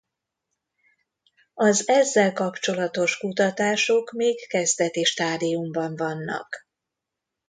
Az ezzel kapcsolatos kutatások még kezdeti stádiumban vannak.